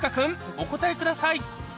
お答えください